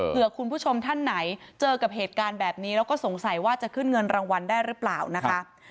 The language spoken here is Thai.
เพื่อคุณผู้ชมท่านไหนเจอกับเหตุการณ์แบบนี้แล้วก็สงสัยว่าจะขึ้นเงินรางวัลได้หรือเปล่านะคะ